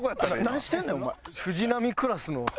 何してんねんお前。